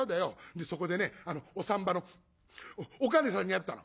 でそこでねお産婆のおかねさんに会ったの」。